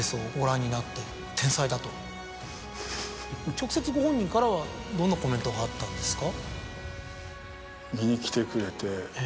直接ご本人からはどんなコメントがあったんですか？